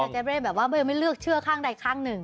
อย่าจะเล่นแบบว่าไม่เลือกเชื่อข้างใดข้างหนึ่ง